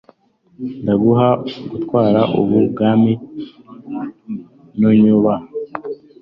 ndaguha gutwara ubu bwami nunyubaha